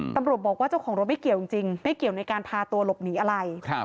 ตำรวจบอกว่าเจ้าของรถไม่เกี่ยวจริงไม่เกี่ยวในการพาตัวหลบหนีอะไร